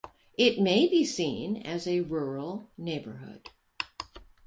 It may be seen as a rural neighbourhood.